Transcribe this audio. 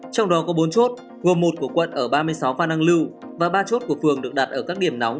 trong đó có bốn chốt gồm một của quận ở ba mươi sáu phan đăng lưu và ba chốt của phường được đặt ở các điểm nóng